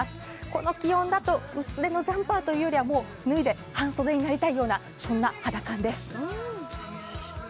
この気温だと薄手のジャンパーというよりはもう脱いで半袖になりたいようなそんな肌感です。